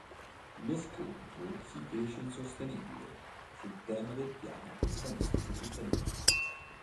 Lo scontro si fece insostenibile sul tema del piano urbanistico cittadino.